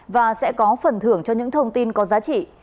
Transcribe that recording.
và sẽ có phần thưởng cho những thông tin có giá trị